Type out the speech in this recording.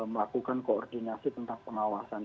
melakukan koordinasi tentang pengawasan